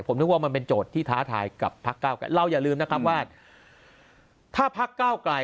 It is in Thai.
ผมนึกว่ามันเป็นโจทย์ที่ท้าทายกับพักเก้าไกลเราอย่าลืมนะครับว่าถ้าพักเก้าไกล